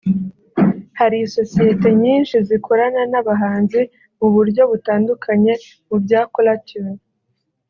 Hari isosiyeti nyinshi zikorana n’abahanzi mu buryo butandukanye mu bya caller tune